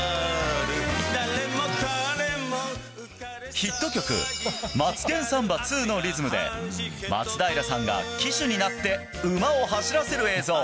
ヒット曲「マツケンサンバ２」のリズムで松平さんが騎手になって馬を走らせる映像。